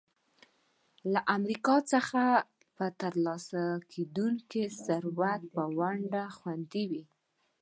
له امریکا څخه په ترلاسه کېدونکي ثروت کې به ونډه خوندي وي.